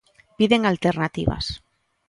Piden alternativas.